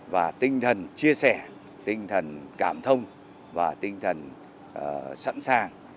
và tinh thần chia sẻ tinh thần cảm thông và tinh thần sẵn sàng